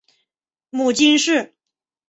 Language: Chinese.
母金氏。